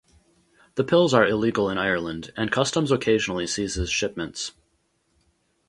The pills are illegal in Ireland, and Customs occasionally seizes shipments.